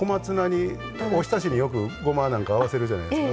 おひたしに、よくごまなんか合わせるじゃないですか。